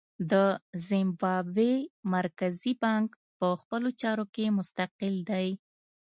د زیمبابوې مرکزي بانک په خپلو چارو کې مستقل دی.